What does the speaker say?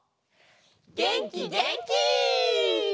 げんきげんき！